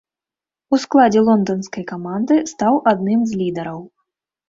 У складзе лонданскай каманды стаў адным з лідараў.